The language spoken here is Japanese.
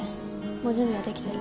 もう準備はできてる。